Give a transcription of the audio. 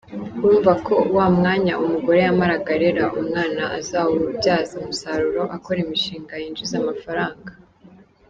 Urumva ko wa mwanya umugore yamaraga arera umwana azawubyaza umusaruro akora imishinga yinjiza amafaranga”.